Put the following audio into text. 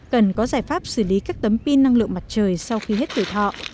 cần có giải pháp xử lý các tấm pin năng lượng mặt trời sau khi hết tuổi thọ